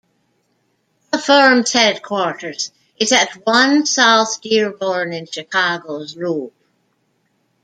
The firm's headquarters is at One South Dearborn in Chicago's Loop.